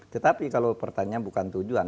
tetapi kalau pertanyaan bukan tujuan